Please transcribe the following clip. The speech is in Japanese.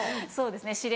そうですね